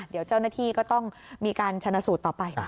เดี๋ยวเจ้าหน้าที่ก็ต้องมีการชนะสูตรต่อไป